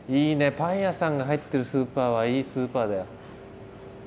パン屋さんが入ってるスーパーはいいスーパーだよ。